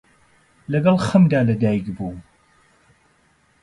لەگەڵ خەمدا لە دایک بووم،